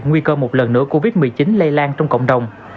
nguy cơ một lần nữa covid một mươi chín lây lan trong cộng đồng